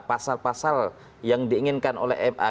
pasal pasal yang diinginkan oleh ma